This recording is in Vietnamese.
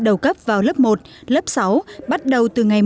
đầu cấp vào lớp một lớp sáu bắt đầu từ năm hai nghìn một mươi tám